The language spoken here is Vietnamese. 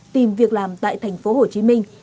tìm việc làm tại thành phố hồ chí minh